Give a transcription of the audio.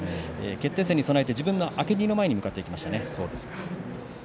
決定戦に備えて自分の明け荷の前に向かっていきました。